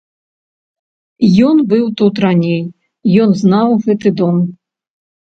Ён быў тут раней, ён знаў гэты дом.